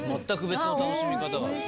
全く別の楽しみ方が。